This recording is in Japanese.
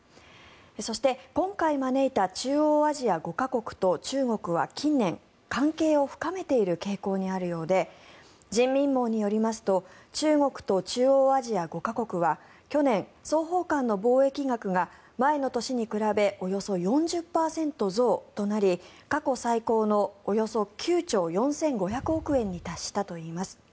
そして、今回招いた中央アジア５か国と中国は、近年関係を深めている傾向にあるようで人民網によりますと中国と中央アジア５か国は去年、双方間の貿易額が前の年に比べおよそ４０％増となり過去最高のおよそ９兆４５００億円に達したといいます。